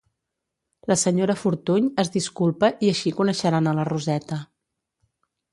La senyora Fortuny, es disculpa i així coneixeran a la Roseta.